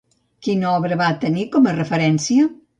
Quina altra obra va tenir com a referència?